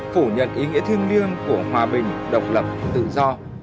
phủ nhận ý nghĩa thiêng liêng của hòa bình độc lập tự do